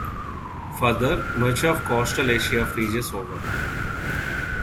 Further, much of coastal Asia freezes over.